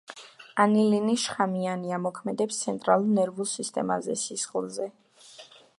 ანილინი შხამიანია, მოქმედებს ცენტრალურ ნერვულ სისტემაზე, სისხლზე.